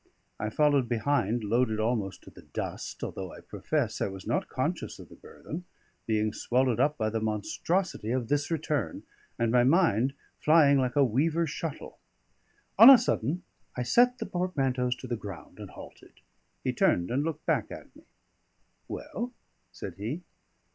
I followed behind, loaded almost to the dust, though I profess I was not conscious of the burthen; being swallowed up in the monstrosity of this return, and my mind flying like a weaver's shuttle. On a sudden I set the portmanteaus to the ground and halted. He turned and looked back at me. "Well?" said he.